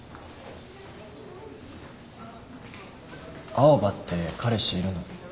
青羽って彼氏いるの？